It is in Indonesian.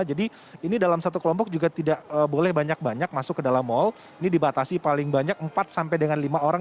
jadi ini dalam satu kelompok juga tidak boleh banyak banyak masuk ke dalam mal ini dibatasi paling banyak empat sampai dengan lima orang